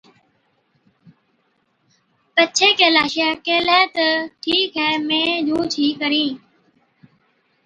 پڇي ڪيلاشَي ڪيهلَي تہ، ’ٺِيڪَي آئِي اِمهين مين جھُونچ ئِي ڪرهِي‘۔